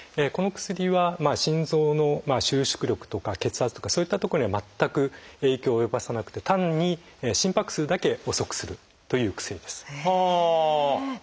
この薬は心臓の収縮力とか血圧とかそういったところには全く影響を及ぼさなくて単に心拍数だけ遅くするという薬です。はあ！